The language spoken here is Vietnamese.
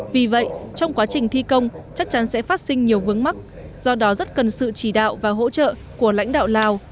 vì vậy trong quá trình thi công chắc chắn sẽ phát sinh nhiều vướng mắt do đó rất cần sự chỉ đạo và hỗ trợ của lãnh đạo lào